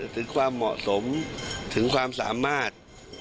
ถึงความเหมาะสมถึงความสามารถ